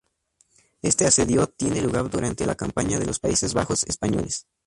Este asedio tiene lugar durante la campaña de los Países Bajos Españoles.